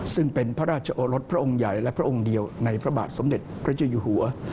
ซึ่งเป็นพระราชโอรสพระองค์ใหญ่และพระองค์เดียวในพระบาทสมเด็จพระเจ้าอยู่หัว